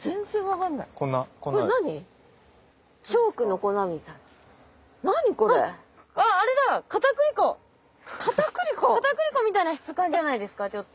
かたくり粉みたいな質感じゃないですかちょっと。